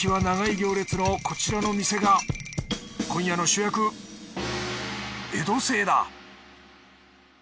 長い行列のこちらの店が今夜の主役江戸清だ。